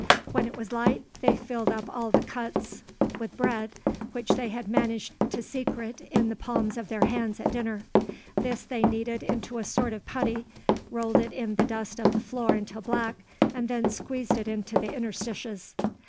When it was light, they filled up all the cuts with bread, which they had managed to secrete in the palms of their hands at dinner. This they kneaded into a sort of putty, rolled it in the dust of the floor until black, and then squeezed it into the interstices.